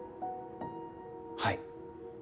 はい。